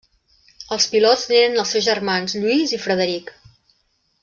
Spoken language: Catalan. Els pilots n'eren els seus germans Lluís i Frederic.